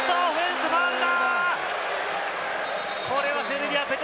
オフェンスファウルだ！